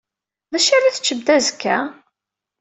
D acu ara teččemt azekka?